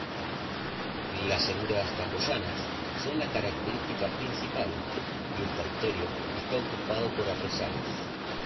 Las llanuras camboyanas son la característica principal y el territorio está ocupado por arrozales.